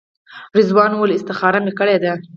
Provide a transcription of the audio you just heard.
رضوان وویل استخاره مې کړې ده.